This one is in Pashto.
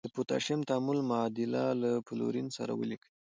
د پوتاشیم تعامل معادله له فلورین سره ولیکئ.